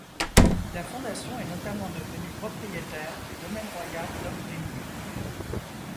La fondation est notamment devenue propriétaire du domaine royal d’Opgrimbie.